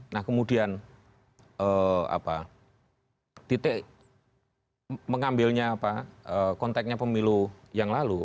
nah kemudian dt mengambilnya kontaknya pemilu yang lalu